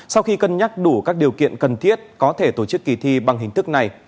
sau khi cân nhắc đủ các điều kiện cần thiết có thể tổ chức kỳ thi bằng hình thức này